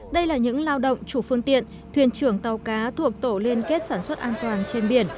đây là những lao động chủ phương tiện thuyền trưởng tàu cá thuộc tổ liên kết sản xuất an toàn trên biển